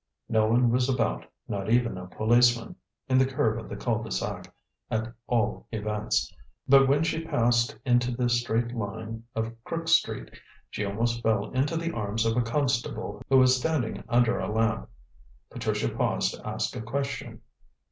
No one was about, not even a policeman in the curve of the cul de sac at all events; but when she passed into the straight line of Crook Street, she almost fell into the arms of a constable who was standing under a lamp. Patricia paused to ask a question.